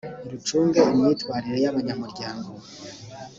rucunge imyitwarire y abanyamuryango no